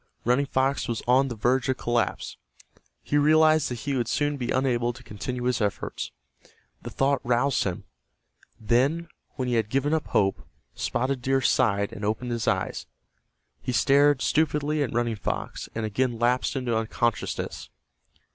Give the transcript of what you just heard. Running Fox was on the verge of collapse. He realized that he would soon be unable to continue his efforts. The thought roused him. Then, when he had given up hope, Spotted Deer sighed and opened his eyes. He stared stupidly at Running Fox, and again lapsed into unconsciousness.